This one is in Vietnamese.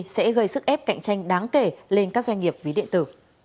sẽ gây sức ép cạnh tranh đáng kể lên các doanh nghiệp ví điện tử